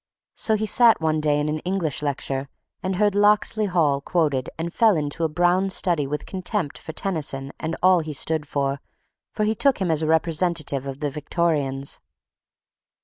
So he sat one day in an English lecture and heard "Locksley Hall" quoted and fell into a brown study with contempt for Tennyson and all he stood for—for he took him as a representative of the Victorians.